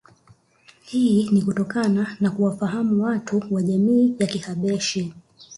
Hii ni kutokana na kuwafahamu watu wa jamii ya Kihabeshi